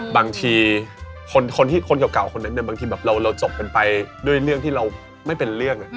บางทีคนเก่าคนแน็ตเนี่ยบางทีเราจบไปด้วยเรื่องที่เราไม่เป็นเรื่อง